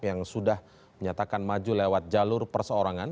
yang sudah menyatakan maju lewat jalur perseorangan